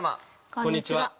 こんにちは。